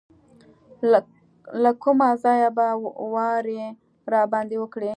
له کومه ځایه به واری راباندې وکړي.